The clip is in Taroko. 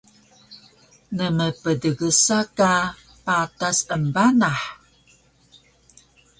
Nemptgsa ka patas embanah